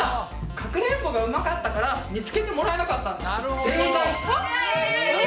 かくれんぼがうまかったから、見つけてもらえなかった。